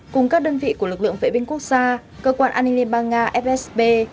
cùng các đơn vị của lực lượng vệ binh quốc gia cơ quan an ninh liên bang nga fsb